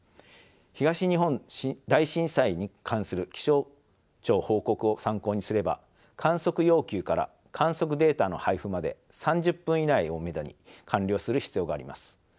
東日本大震災に関する気象庁報告を参考にすれば観測要求から観測データの配布まで３０分以内をめどに完了する必要があります。